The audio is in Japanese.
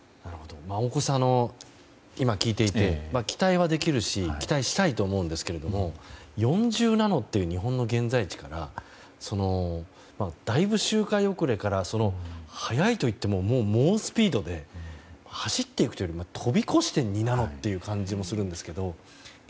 大越さん、今聞いていて期待はできるし期待したいと思うんですけども４０ナノっていう日本の現在地からだいぶ周回遅れから速いといっても猛スピードで走っていくというよりも飛び越して２ナノっていう感じもするんですけれども。